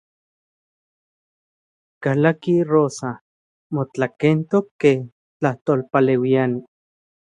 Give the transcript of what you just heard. Kalaki Rosa, motlakentok ken tlajtolpaleuiani.